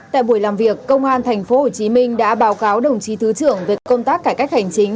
tại buổi làm việc công an tp hcm đã báo cáo đồng chí thứ trưởng về công tác cải cách hành chính